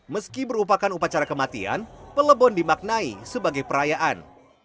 meski merupakan upacara kematian pelebon dimaknai sebagai perayaan